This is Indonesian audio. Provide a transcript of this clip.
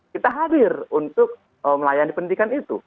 kita hadir untuk melayani pendidikan itu